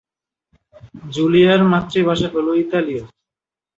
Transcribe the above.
জুলিয়ার মাতৃভাষা হল ইতালিয়।